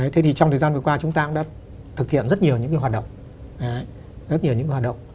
thế thì trong thời gian vừa qua chúng ta cũng đã thực hiện rất nhiều những cái hoạt động rất nhiều những hoạt động